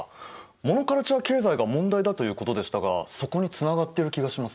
モノカルチャー経済が問題だということでしたがそこにつながってる気がします。